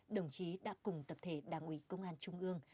đồng chí đã cùng tập thể đảng ủy công an trung ương